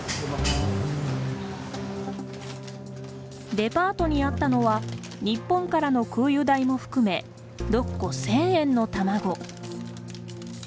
デパートにあったのは日本からの空輸代も含め６個１０００円の卵。